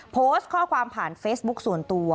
โพสต์ข้อความผ่านเฟซบุ๊คส่วนตัว